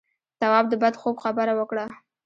تواب د بد خوب خبره وکړه.